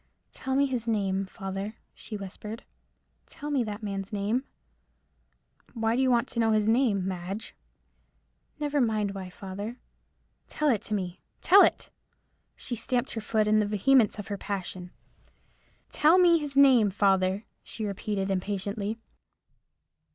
"Tell me his name, father," she whispered; "tell me that man's name." "Why do you want to know his name, Madge?" "Never mind why, father. Tell it to me—tell it!" She stamped her foot in the vehemence of her passion. "Tell me his name, father," she repeated, impatiently.